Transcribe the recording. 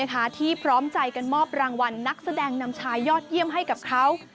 ที่พร้อมใจกันมอบรางวัลนักแสดงนำชายยอดเยี่ยมให้กับเขา